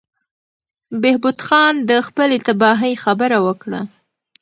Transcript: بهبود خان د خپلې تباهۍ خبره وکړه.